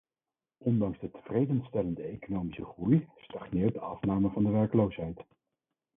Ondanks de tevredenstellende economische groei stagneert de afname van de werkloosheid.